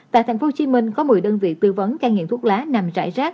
tại tp hcm có một mươi đơn vị tư vấn cai nghiện thuốc lá nằm rải rác